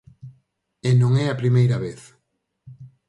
E non é a primeira vez.